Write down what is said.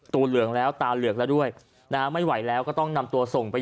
เหลืองแล้วตาเหลืองแล้วด้วยนะฮะไม่ไหวแล้วก็ต้องนำตัวส่งไป